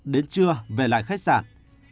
đến trưa về lại khách sạn